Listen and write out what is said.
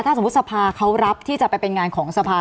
ถ้าสมมุติสภาเขารับที่จะไปเป็นงานของสภา